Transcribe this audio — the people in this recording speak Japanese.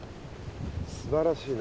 すばらしいな。